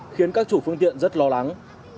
khiến các chủ phương tiện rất lo lắng